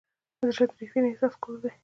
زړه د ریښتیني احساس کور دی.